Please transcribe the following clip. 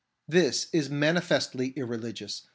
This is manifestly irreligious.